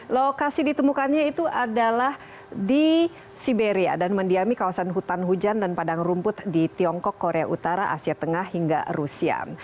lokasi ditemukannya itu adalah di siberia dan mendiami kawasan hutan hujan dan padang rumput di tiongkok korea utara asia tengah hingga rusia